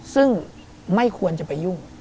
ซึ่งไม่ควรจะไปยุ่ง